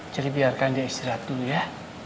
jadi biarkan dia istirahat dulu ya